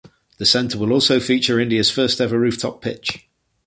The centre will also feature India’s first ever roof top pitch.